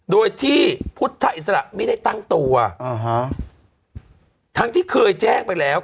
โดยที่พุทธอิสระไม่ได้ตั้งตัวอ่าฮะทั้งที่เคยแจ้งไปแล้ว